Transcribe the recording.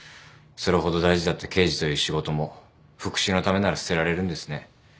それほど大事だった刑事という仕事も復讐のためなら捨てられるんですね。